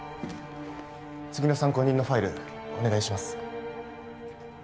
次の参考人のファイルお願いします